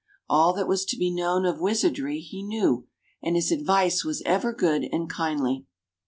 All that was to be known of wizardry he knew, and his advice was ever good and kindly.